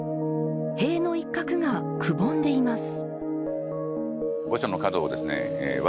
塀の一角がくぼんでいます。